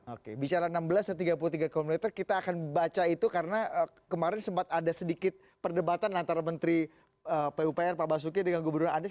oke bicara enam belas dan tiga puluh tiga km kita akan baca itu karena kemarin sempat ada sedikit perdebatan antara menteri pupr pak basuki dengan gubernur anies